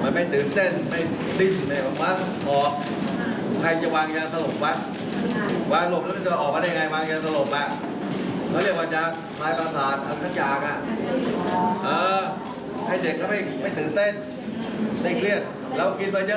มันมีอีกนานนะครับ